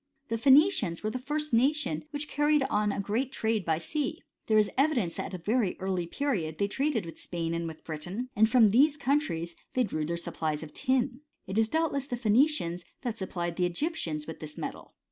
The Phoenicians were the first nation which caried on a great trade by sea. There is evidence that at a very early period they traded with Spain and with Britain, and that from these countries they drew their supplies of tin. It was doubtless the Phoe nicians that supplied the Egyptians with this metal.